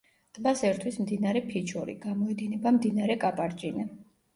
ტბას ერთვის მდინარე ფიჩორი, გამოედინება მდინარე კაპარჭინა.